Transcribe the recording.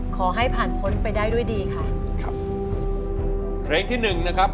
ขอให้ผ่านพ้นไปได้ด้วยดีค่ะครับเพลงที่หนึ่งนะครับ